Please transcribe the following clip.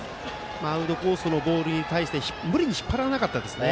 アウトコースのボールに対して無理に引っ張らなかったですね。